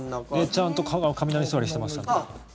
ちゃんと雷座りしてました。